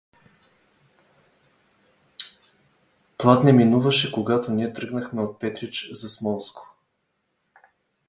Пладне минуваше, когато ние тръгнахме от Петрич за Смолско.